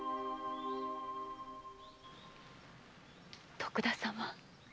徳田様。